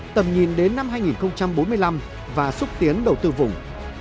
tầm nhìn đến năm hai nghìn bốn mươi năm và xúc tiến đầu tư vùng